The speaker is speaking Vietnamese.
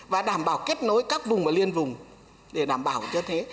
và đảm bảo kết nối các vùng và liên vùng để đảm bảo cho thế